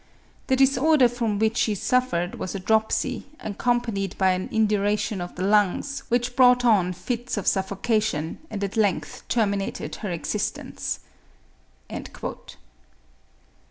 The disorder from which she suffered was a dropsy, accompanied by an induration of the lungs, which brought on fits of suffocation, and at length terminated her existence."